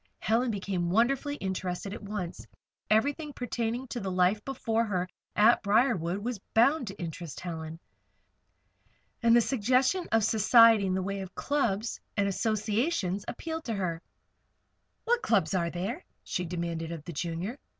Helen became wonderfully interested at once. Everything pertaining to the life before her at Briarwood was bound to interest Helen. And the suggestion of society in the way of clubs and associations appealed to her. "What clubs are there?" she demanded of the Junior.